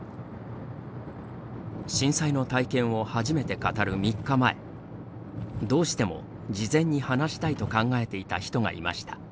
震災の体験を初めて語る３日前どうしても、事前に話したいと考えていた人がいました。